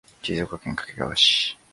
静岡県掛川市